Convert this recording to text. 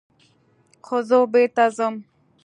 خو زه بېرته ځم.